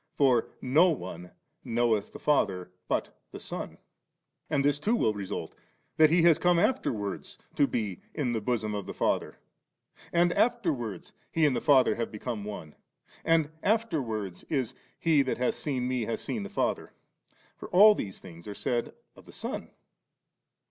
For 'No one knoweth the Father but the Son.' And this too will result, that He has come afterwards to be ' in the bosom of the Father %' and after wards He and the Father have becomeOne; and afterwards is, * He that hath seen Me, hath seen the Father'.' For all these things are said of the Son.